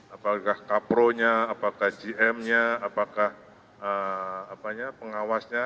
apakah kapro nya apakah gm nya apakah pengawasnya